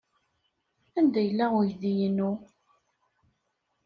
Anda yella uydi-inu?